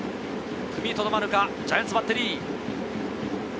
踏みとどまるか、ジャイアンツバッテリー。